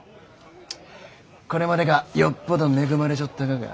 これまでがよっぽど恵まれちょったがか？